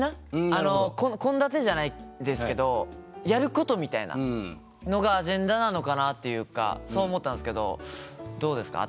あの献立じゃないですけどやることみたいなのがアジェンダなのかなっていうかそう思ったんすけどどうですか？